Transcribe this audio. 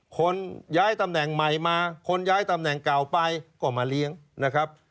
คนย้ายตำแหน่งใหม่มาคนย้ายตำแหน่งเก่าไปก็มาเลี้ยงนะครับ